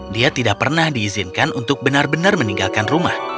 dia tidak pernah diizinkan untuk benar benar meninggalkan rumah